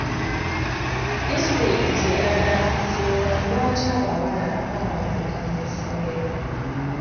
Disitulikiti eyagala kuzuula lwaki abawala bawanduka mu ssomero?